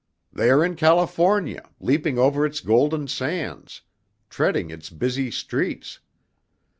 They are in California, leaping over its golden sands, treading its busy streets.